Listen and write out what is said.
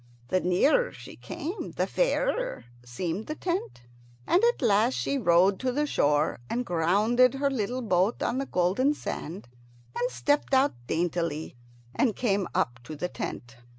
The nearer she came the fairer seemed the tent, and at last she rowed to the shore and grounded her little boat on the golden sand, and stepped out daintily and came up to the tent.